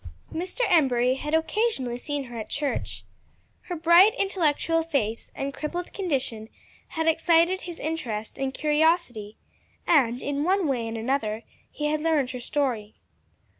Mr. Embury had occasionally seen her at church. Her bright, intellectual face and crippled condition had excited his interest and curiosity, and in one way and another he had learned her story.